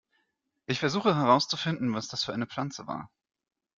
Ich versuche, herauszufinden, was das für eine Pflanze war.